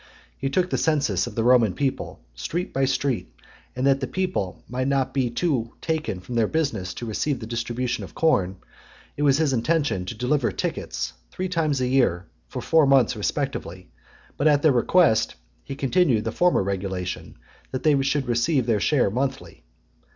He took the census of the Roman people street by street: and that the people might not be too often taken from their business to receive the distribution of corn, it was his intention to deliver tickets three times a year for four months respectively; but at their request, he continued the former regulation, that they should receive their (103) share monthly.